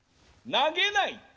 投げない！